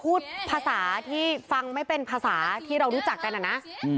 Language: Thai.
พูดภาษาที่ฟังไม่เป็นภาษาที่เรารู้จักกันอะนะ